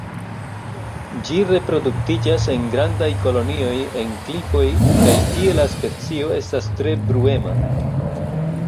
Ĝi reproduktiĝas en grandaj kolonioj en klifoj kaj tie la specio estas tre bruema.